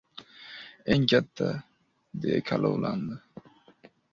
— Endi, katta...— deya kalovlandi.